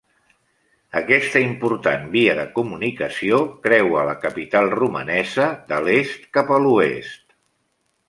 Aquesta important via de comunicació creua la capital romanesa de l'est cap a l'oest.